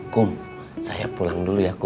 kum saya pulang dulu ya kum